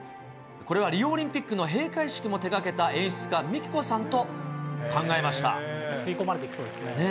これはリオオリンピックの閉会式も手がけた演出家、ミキコさんと吸い込まれていきそうですね。